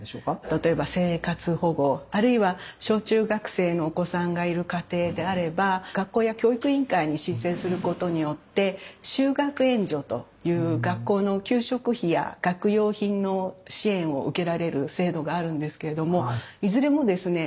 例えば生活保護あるいは小中学生のお子さんがいる家庭であれば学校や教育委員会に申請することによって就学援助という学校の給食費や学用品の支援を受けられる制度があるんですけれどもいずれもですね